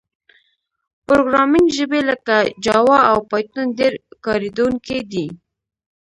پروګرامینګ ژبې لکه جاوا او پایتون ډېر کارېدونکي دي.